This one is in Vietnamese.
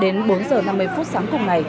đến bốn giờ năm mươi phút sáng cùng này